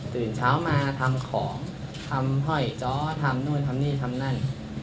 ตื่นเช้ามาทำของทำห้อยจ้อทำนู่นทำนี่ทำนั่น